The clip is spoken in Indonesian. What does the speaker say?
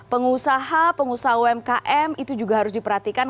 pengusaha pengusaha umkm itu juga harus diperhatikan